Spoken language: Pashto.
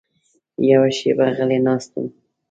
یوه شېبه غلی ناست وم.